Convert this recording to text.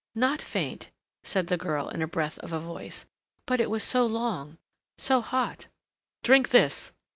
"Not faint," said the girl, in a breath of a voice. "But it was so long so hot " "Drink this."